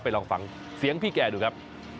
ลองฟังเสียงพี่แกดูครับ